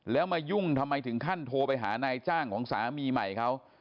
แล้วมายุ่งทำไมถึงขั้นโทรไปหานายจ้างของสามีใหม่เขา